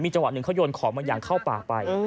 จังหวะหนึ่งเขาโยนของบางอย่างเข้าป่าไป